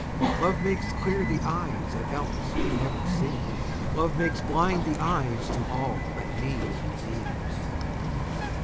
Love makes clear the eyes that else would never see: "Love makes blind the eyes to all but me and thee."